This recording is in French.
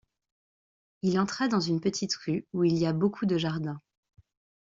Il entra dans une petite rue où il y a beaucoup de jardins.